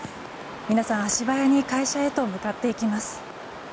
皆さん足早に会社へと向かっていきます。